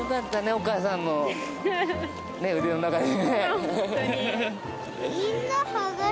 お母さんの腕の中でね。